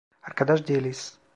Arkadaş değiliz.